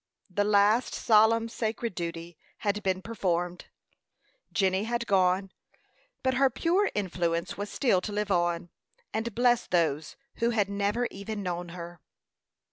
The last solemn, sacred duty had been performed; Jenny had gone, but her pure influence was still to live on, and bless those who had never even known her.